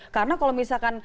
karena kalau misalkan